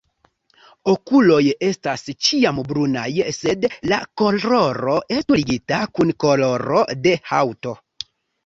Okuloj estas ĉiam brunaj, sed la koloro estu ligita kun koloro de haŭto.